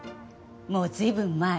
もう随分前。